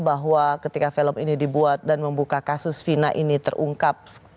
bahwa ketika film ini dibuat dan membuka kasus vina ini terungkap